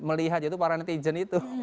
melihat itu para netizen itu